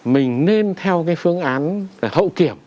mình nên theo cái phương án hậu kiểm